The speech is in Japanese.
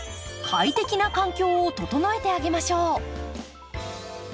快適な環境を整えてあげましょう。